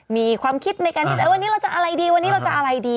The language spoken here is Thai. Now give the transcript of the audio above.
มีความคิดในการคิดวันนี้เราจะอะไรดี